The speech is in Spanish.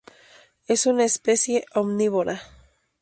Es una especie omnívora.